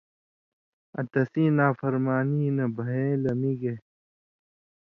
آں تسیں نافرمانی نہ بِھیئیں لمی گے۔